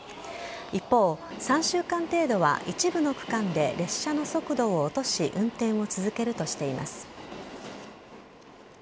一方、３週間程度は一部の区間で列車の速度を落とし運転を続けるとしています。